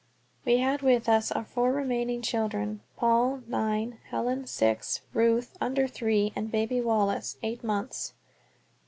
We had with us our four remaining children: Paul, nine; Helen, six; Ruth, under three; and baby Wallace, eight months.